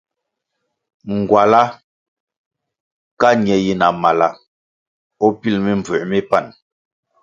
Ngwala ka ñe yi na mala o pil mimbvū mi pan.